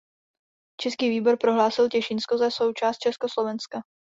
Český výbor prohlásil Těšínsko za součást Československa.